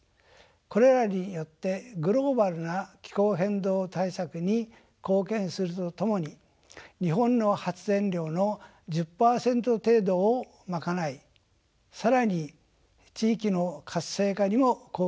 これらによってグローバルな気候変動対策に貢献するとともに日本の発電量の１０％程度を賄い更に地域の活性化にも貢献できると思っています。